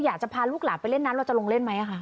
อยากจะพาลูกหลานไปเล่นนั้นเราจะลงเล่นไหมคะ